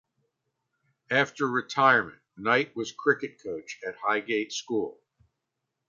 After retirement, Knight was cricket coach at Highgate School.